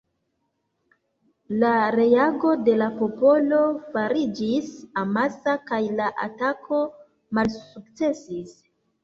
La reago de la popolo fariĝis amasa kaj la atako malsukcesis.